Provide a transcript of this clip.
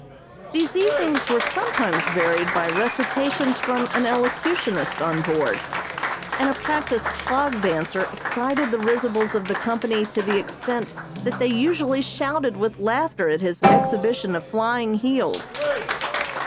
These evenings were sometimes varied by recitations from an elocutionist on board; and a practised clog dancer excited the risibles of the company to the extent that they usually shouted with laughter at his exhibition of flying heels.